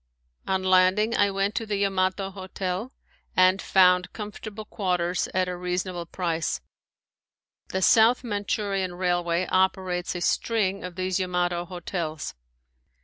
On landing I went to the Yamato hotel and found comfortable quarters at a reasonable price. The South Manchurian railway operates a string of these Yamato hotels.